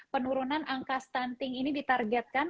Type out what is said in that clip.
penurunan angka stunting ini ditargetkan